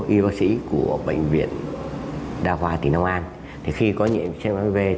y bác sĩ của bệnh viện đa khoa tỉnh đông an thì khi có nhiễm xét nghiệm hiv thì bác sĩ bắt đầu xét nghiệm